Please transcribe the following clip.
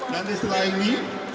nanti setelah ini